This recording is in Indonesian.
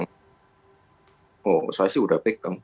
hai oh saya sudah